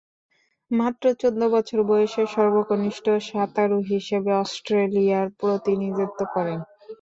মাত্র চৌদ্দ বছর বয়সে সর্বকনিষ্ঠ সাঁতারু হিসেবে অস্ট্রেলিয়ার প্রতিনিধিত্ব করেন।